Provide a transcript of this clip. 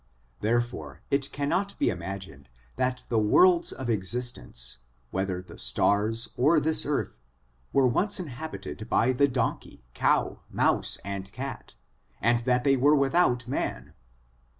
Therefore it cannot be imagined that the worlds of existence, whether the stars or this earth, were once inhabited by the donkey, cow, mouse, and cat, and that they were without man